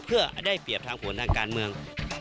เพื่อได้เปรียบทางผลทางการเมือง